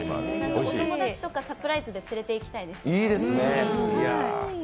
お友達とか、サプライズで連れて行きたいですね。